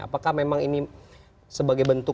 apakah memang ini sebagai bentuk